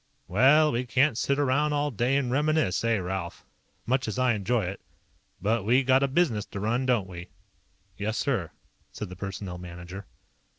"Well, we can't sit around all day and reminisce, eh, Ralph? Much as I enjoy it. But we got a business to run, don't we?" "Yes, sir," said the Personnel Manager.